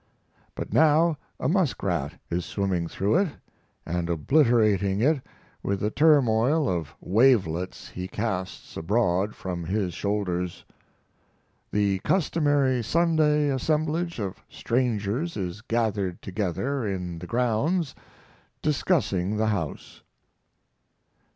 But now a muskrat is swimming through it and obliterating it with the turmoil of wavelets he casts abroad from his shoulders. The customary Sunday assemblage of strangers is gathered together in the grounds discussing the house.